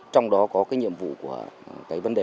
trong đó có nhiệm vụ của vấn đề